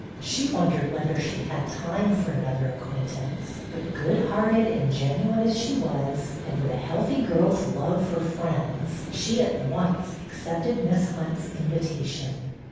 She wondered whether she had time for another acquaintance; but, good hearted and genuine as she was, and with a healthy girl's love for friends, she at once accepted Miss Hunt's invitation.